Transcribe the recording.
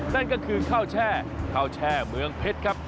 นั่นก็คือข้าวแช่ข้าวแช่เมืองเพชรครับ